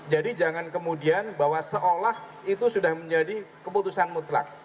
jadi jangan kemudian bahwa seolah itu sudah menjadi keputusan mutlak